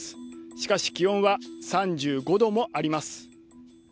しかし気温は３５度もあります。